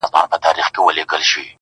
• د زړه له درده شاعري کوومه ښه کوومه,